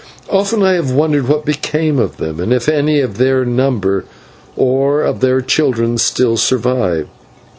Often I have wondered what became of them, and if any of their number, or of their children, still survive.